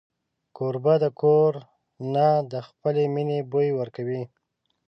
کوربه د کور نه د خپلې مینې بوی ورکوي.